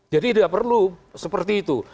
jadi tidak perlu seperti itu